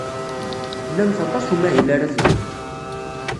Tlamt aṭas n umahil ara tgemt.